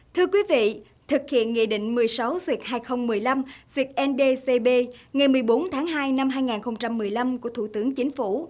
thưa quý vị thực hiện nghị định một mươi sáu suyệt hai nghìn một mươi năm cndcb ngày một mươi bốn tháng hai năm hai nghìn một mươi năm của thủ tướng chính phủ